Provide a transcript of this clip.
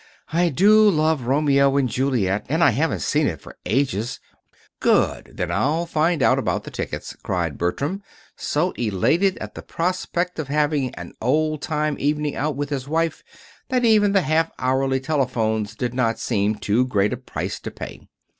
"I do love 'Romeo and Juliet,' and I haven't seen it for ages!" "Good! Then I'll find out about the tickets," cried Bertram, so elated at the prospect of having an old time evening out with his wife that even the half hourly telephones did not seem too great a price to pay.